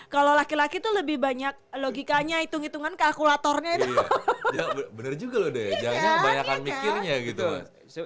kalau laki laki itu lebih banyak logikanya hitung hitungan kalkulatornya itu bener juga loh deh